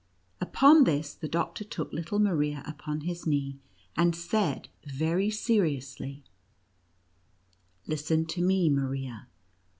Upon this, the doctor took little Maria upon his knee, and said very seriously :" Listen to me, Maria.